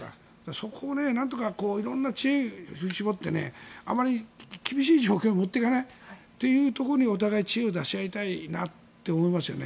そこをなんとか色んな知恵を振り絞ってあまり厳しい状況に持っていかないというところにお互い知恵を出し合いたいなって思いますよね。